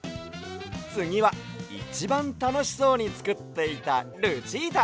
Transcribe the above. つぎはいちばんたのしそうにつくっていたルチータ！